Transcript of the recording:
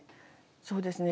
そうですね